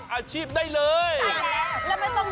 คันโจ่คุณสองก้อยมาเลยก้อยมาเลย